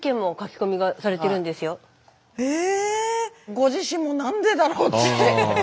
ご自身も「なんでだろう？」っつって。